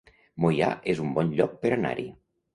Moià es un bon lloc per anar-hi